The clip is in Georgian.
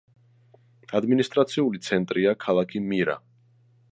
ადმინისტრაციული ცენტრია ქალაქი მირა.